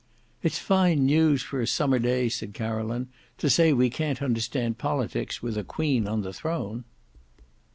"It's fine news for a summer day," said Caroline, "to say we can't understand politics with a Queen on the throne."